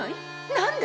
何で？